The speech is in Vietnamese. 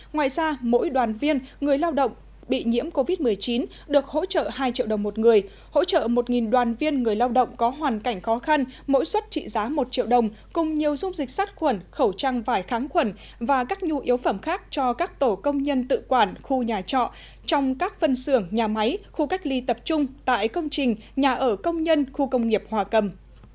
ngoài ra mỗi đoàn viên người lao động bị nhiễm covid một mươi chín được hỗ trợ hai triệu đồng một người hỗ trợ một đoàn viên người lao động có hoàn cảnh khó khăn mỗi suất trị giá một triệu đồng cùng nhiều dung dịch sát khuẩn khẩu trang vải kháng khuẩn và các nhu yếu phẩm khác cho các tổ công nhân tự quản khu nhà trọ trong các phân xưởng nhà máy khu cách ly tập trung tại công trình nhà ở công nhân khu công nghiệp hòa cầm